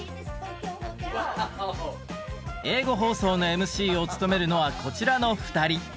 英語放送のＭＣを務めるのはこちらの２人。